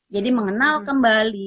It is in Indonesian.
jadi mengenal kembali